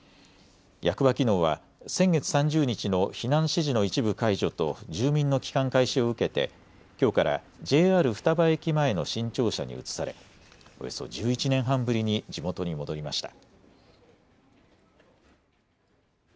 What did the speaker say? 役場機能は先月３０日の避難指示の一部解除と住民の帰還開始を受けてきょうからＪＲ双葉駅前の新庁舎に移されおよそ１１年半ぶりに地元に戻りました。